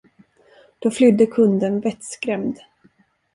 Då flydde kunden vettskrämd.